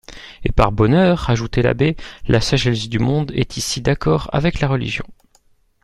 Et par bonheur, ajoutait l'abbé, la sagesse du monde est ici d'accord avec la religion.